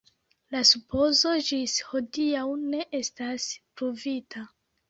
La supozo ĝis hodiaŭ ne estas pruvita.